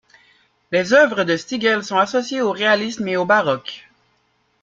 Les œuvres de Stigel sont associées au réalisme et au baroque.